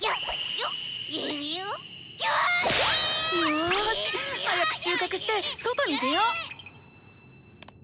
よし早く収穫して外に出よう！